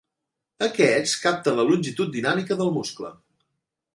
Aquests capten la longitud dinàmica del muscle.